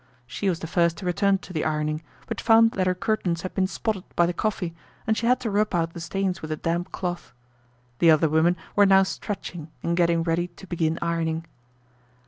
She was the first to return to the ironing, but found that her curtains had been spotted by the coffee and she had to rub out the stains with a damp cloth. The other women were now stretching and getting ready to begin ironing.